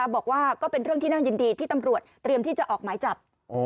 บอกว่าก็เป็นเรื่องที่น่ายินดีที่ตำรวจเตรียมที่จะออกหมายจับ